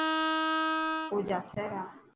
اوجاسي را.